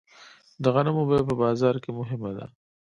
د غنمو بیه په بازار کې مهمه ده.